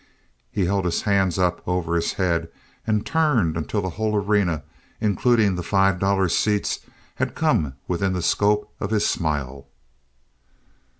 He held his hands up over his head and turned until the whole arena, including the five dollar seats, had come within the scope of his smile.